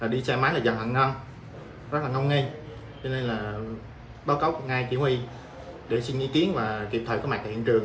đi xe máy là dần hẳn nâng rất là ngong nghi cho nên là báo cáo ngay chỉ huy để xin ý kiến và kịp thời có mặt tại hiện trường